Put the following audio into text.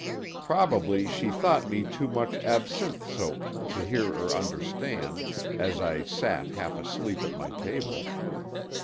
Probably she thought me too much absinthe soaked to hear or understand, as I sat half asleep at my table.